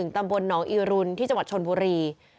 ตำบลหนองอีรุนที่จังหวัดชนบุรี